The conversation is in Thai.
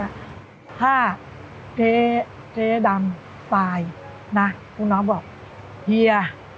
แม่ยุดท่าเจ๊ด้ำตายน่ะลูกน้องบอกเฮีย